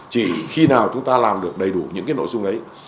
chỉ khi nào chúng ta làm được đầy đủ những cái nội dung đấy